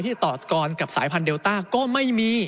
ต่อกรกับสายพันธุเดลต้าก็ไม่มี